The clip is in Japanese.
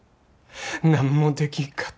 なんもできんかった。